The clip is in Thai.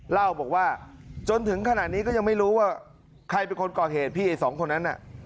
เล่าบอกว่าจนถึงขณะนี้ก็ยังไม่รู้ว่าใครเป็นคนก่อเหตุพี่ไอ้สองคนนั้นน่ะ